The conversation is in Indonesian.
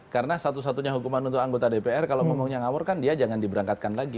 karena satu satunya hukuman untuk anggota dpr kalau ngomongnya ngawur kan dia jangan diberangkatkan lagi